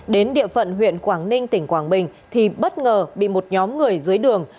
đến địa phận huyện quảng ninh tỉnh quảng bình thì bất ngờ bị một nhóm người dưới đường